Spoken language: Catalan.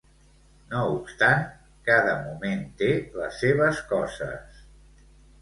No obstant, cada moment te les seves coses.